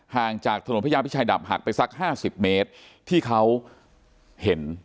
ห่างจากถนนพระยาพิชัยดับหักไปสัก๕๐เมตรที่เขาเห็น